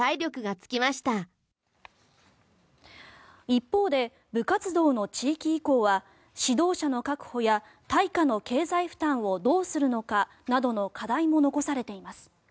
一方で部活動の地域移行は指導者の確保や対価の経済負担をどうするのかなどの課題も残されています。